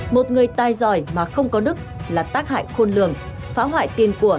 một người tài giỏi mà không có đức là tác hại khôn lường phá hoại tiền của